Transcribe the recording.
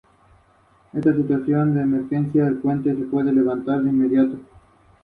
Estas migas pasa por harina y se fríen.